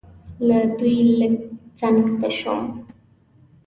له دوی لږ څنګ ته شوم.